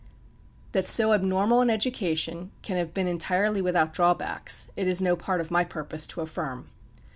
That so abnormal an education can have been entirely without drawbacks, it is no part of my purpose to affirm.